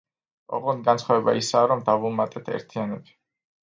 ოღონდ განსხვავება ისაა, რომ დავუმატეთ ერთიანები.